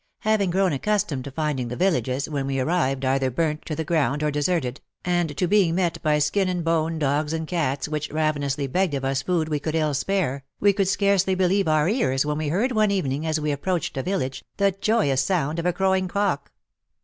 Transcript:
Having grown accustomed to finding the villages, when we arrived, either burnt to the ground or deserted, and to being met by skin and bone dogs and cats which ravenously begged of us food we could ill spare, we could scarcely believe our ears when we heard one evening as we approached a village, the joyous sound of a crowing cock